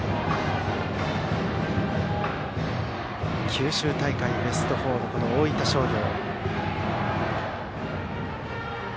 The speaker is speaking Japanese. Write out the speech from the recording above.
九州大会ベスト４の大分商業。